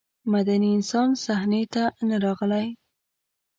مدني انسان صحنې ته نه راغلی.